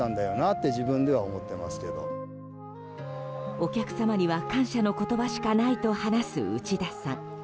お客様には感謝の言葉しかないと話す内田さん。